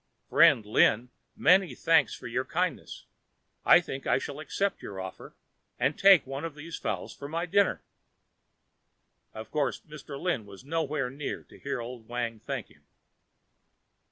Friend Lin, many thanks for your kindness. I think I shall accept your offer and take one of these fowls for my dinner." Of course Mr. Lin was nowhere near to hear old Wang thanking him.